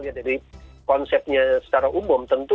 lihat dari konsepnya secara umum tentu